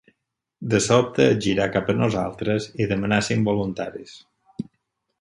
De sobte es girà cap a nosaltres i demanà cinc voluntaris